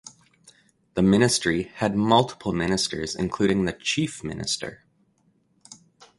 The ministry had multiple ministers including the Chief Minister.